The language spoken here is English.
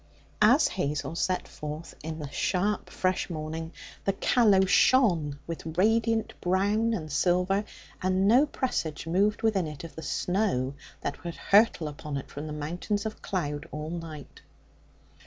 As Hazel set forth in the sharp, fresh morning, the Callow shone with radiant brown and silver, and no presage moved within it of the snow that would hurtle upon it from mountains of cloud all night.